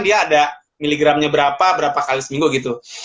dia ada miligramnya berapa berapa kali seminggu gitu